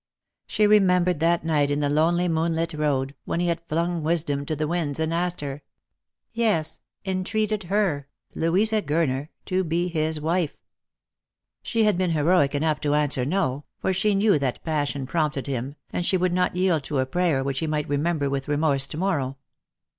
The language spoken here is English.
She remembered that night in the lonely moonlit road, when he had flung wisdom to the winds, and asked her — yes, entreated Lost for Love. 215 her, Louisa Gurner — to be his wife. She had been heroic enough to answer ' No,' for she knew that passion prompted him, and she would not yield to a prayer which he might remember with remorse to morrow.